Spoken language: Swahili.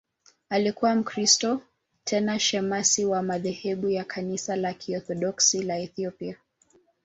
Alikuwa Mkristo, tena shemasi wa madhehebu ya Kanisa la Kiorthodoksi la Ethiopia.